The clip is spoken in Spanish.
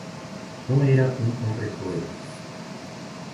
No era un hombre cruel.